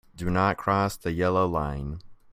Do not cross the yellow line.